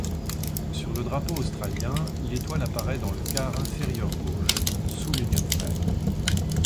Sur le drapeau australien l'étoile apparaît dans le quart inférieur gauche, sous l'Union Flag.